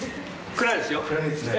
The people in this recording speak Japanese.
・暗いですね。